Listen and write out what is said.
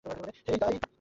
হেই, গাই!